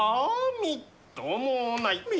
みっともない。